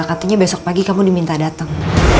katanya besok pagi kamu diminta dateng